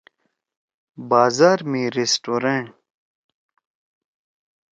بازار می ریسٹورینٹ